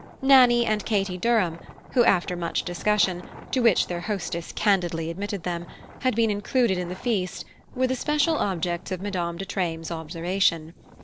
Nannie and Katy Durham, who, after much discussion (to which their hostess candidly admitted them), had been included in the feast, were the special objects of Madame de Treymes' observation.